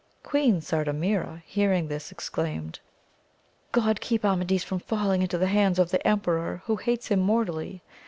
Queen Sardamira hearing this exclaimed, God keep Amadis from falling into the hands of the emperor who hates him mortally